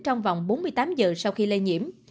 trong vòng bốn mươi tám giờ sau khi lây nhiễm